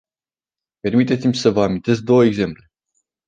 Permiteți-mi să vă amintesc două exemple.